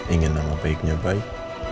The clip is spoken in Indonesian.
ingin nama baiknya baik